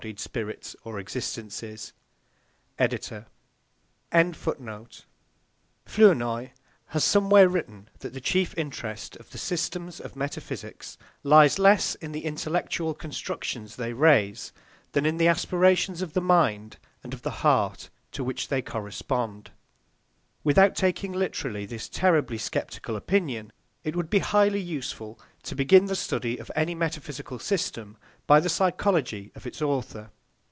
] CHAPTER II SPIRITUALISM AND IDEALISM Flournoy has somewhere written that the chief interest of the systems of metaphysics lies less in the intellectual constructions they raise than in the aspirations of the mind and of the heart to which they correspond. Without taking literally this terribly sceptical opinion, it would be highly useful to begin the study of any metaphysical system by the psychology of its author.